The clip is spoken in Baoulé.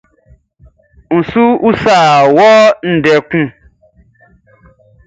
N su usa wɔ ndɛ kun.